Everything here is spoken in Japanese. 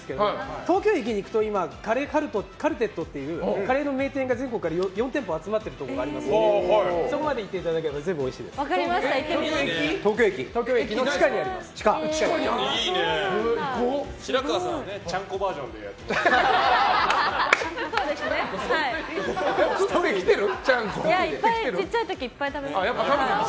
東京駅に行くとカレーカルテットっていうカレーの名店が全国から４店舗集まっているところがありますのでそこまで行っていただければ分かりました、行ってみます！